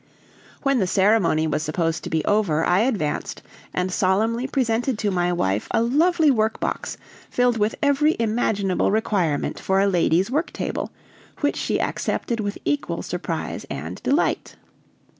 When the ceremony was supposed to be over, I advanced, and solemnly presented to my wife a lovely work box, filled with every imaginable requirement for a lady's work table, which she accepted with equal surprise and delight.